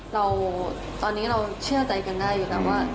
เราตอนนี้เราเชื่อใจกันได้อยู่แล้วว่า